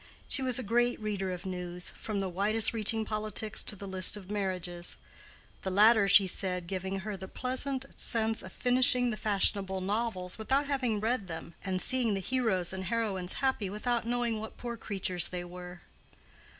She was a great reader of news, from the widest reaching politics to the list of marriages; the latter, she said, giving her the pleasant sense of finishing the fashionable novels without having read them, and seeing the heroes and heroines happy without knowing what poor creatures they were.